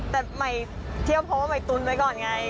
แต่ใหม่เที่ยวเพราะว่าใหม่ตุนไว้ก่อนไง